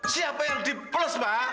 siapa yang di plus pak